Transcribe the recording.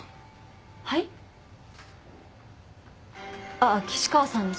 ああ岸川さんです。